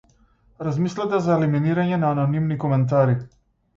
Размислете за елиминирање на анонимни коментари.